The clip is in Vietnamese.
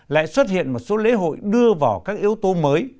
lại xuất hiện một số lễ hội đưa vào các yếu tố mới